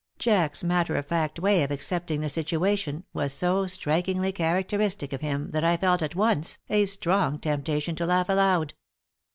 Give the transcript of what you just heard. Jack's matter of fact way of accepting the situation was so strikingly characteristic of him that I had felt, at once, a strong temptation to laugh aloud.